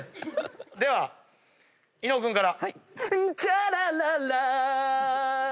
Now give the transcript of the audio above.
では伊野尾君から。